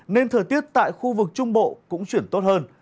nên thời tiết tại khu vực trung bộ cũng chuyển tốt hơn